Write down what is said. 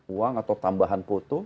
uang atau tambahan foto